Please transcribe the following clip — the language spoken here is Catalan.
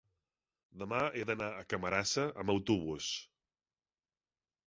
demà he d'anar a Camarasa amb autobús.